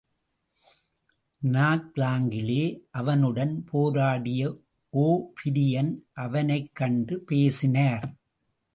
நாக்லாங்கிலே அவனுடன் போராடிய ஒ பிரியன் அவனைக் கண்டு பேசினார்.